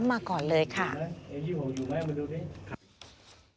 ระเบิดชนิดนี้ใกล้เคียงกับระเบิดที่คนร้ายใช้เกาะเหตุบริเวณหน้าห้างสยามพระรกรเมื่อปี๒๕๕๗ด้วยนะ